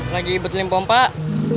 lagi ibut limpa pak